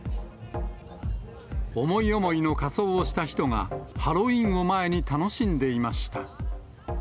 思い思いの仮装をした人が、ハロウィーン前に楽しんでいました。